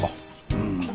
うん。